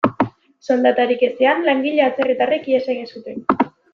Soldatarik ezean, langile atzerritarrek ihes egin zuten.